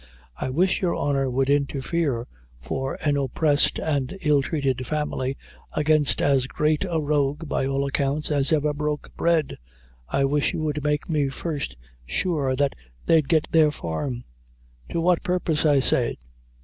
"I wish your honor would interfere for an oppressed and ill treated family, against as great a rogue, by all accounts, as ever broke bread I wish you would make me first sure that they'd get their farm." "To what purpose, I say?"